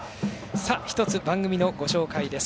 １つ番組のご紹介です。